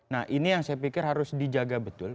nah ini yang saya pikir harus dijaga betul